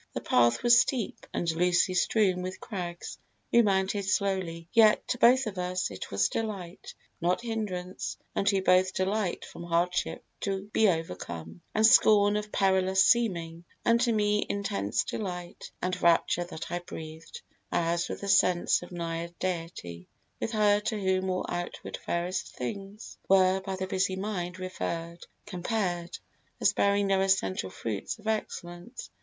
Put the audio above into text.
The path was steep and loosely strewn with crags We mounted slowly: yet to both of us It was delight, not hindrance: unto both Delight from hardship to be overcome, And scorn of perilous seeming: unto me Intense delight and rapture that I breathed, As with a sense of nigher Deity, With her to whom all outward fairest things Were by the busy mind referr'd, compared, As bearing no essential fruits of excellence.